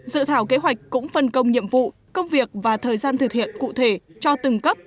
dự thảo kế hoạch cũng phân công nhiệm vụ công việc và thời gian thực hiện cụ thể cho từng cấp